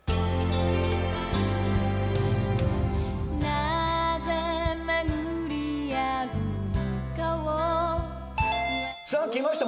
「なぜめぐり逢うのかを」きました。